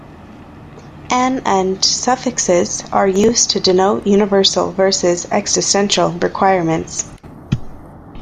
An and suffixes are used to denote "universal" versus "existential" requirements.